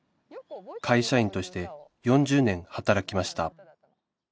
会社員として４０年働きました